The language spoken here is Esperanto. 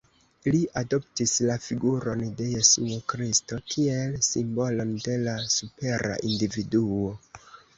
Li adoptis la figuron de Jesuo Kristo kiel simbolon de la supera individuo.